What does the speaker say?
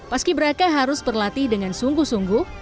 paski beraka harus berlatih dengan sungguh sungguh